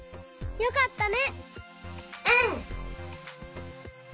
よかったね。